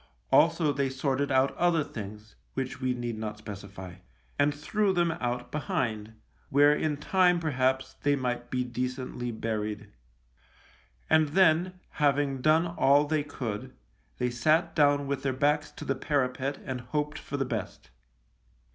Also they sorted out other things, which we need not specify, and threw them out behind, where in time perhaps they might be decently buried. And then, having done all they could, they sat down with their backs to the parapet and hoped for the best.